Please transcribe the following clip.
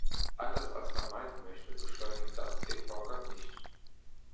Anders als man meinen möchte, beschleunigt das den Vorgang nicht.